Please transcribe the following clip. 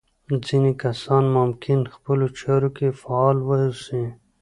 ځينې کسان ممکن خپلو چارو کې فعال واوسي.